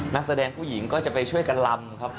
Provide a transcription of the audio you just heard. นักแสดงผู้หญิงก็จะไปช่วยกันลำครับ